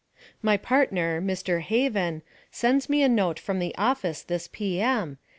My partner, Mr. Haven, sends me a note from the office this P. M.